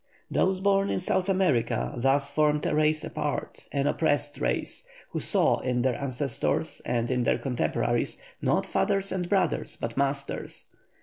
Those born in South America thus formed a race apart, an oppressed race, who saw in their ancestors and in their contemporaries not fathers and brothers, but masters.